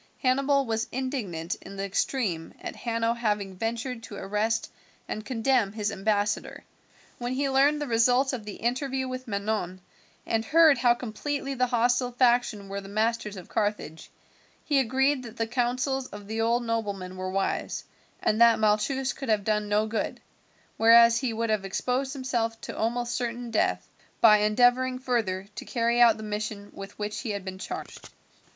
Hannibal was indignant in the extreme at Hanno having ventured to arrest and condemn his ambassador. When he learned the result of the interview with Manon, and heard how completely the hostile faction were the masters of Carthage, he agreed that the counsels of the old nobleman were wise, and that Malchus could have done no good, whereas he would have exposed himself to almost certain death, by endeavouring further to carry out the mission with which he had been charged.